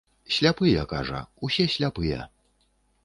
Сляпыя, кажа, усе сляпыя.